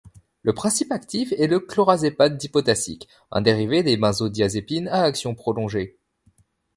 Le principe actif est le clorazépate dipotassique, un dérivé des benzodiazépines à action prolongée.